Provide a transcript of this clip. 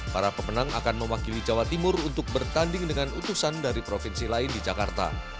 para pemenang akan mewakili jawa timur untuk bertanding dengan utusan dari provinsi lain di jakarta